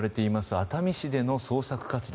熱海市での捜索活動。